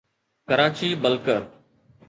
Karachi بلڪر